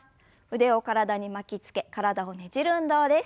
腕を体に巻きつけ体をねじる運動です。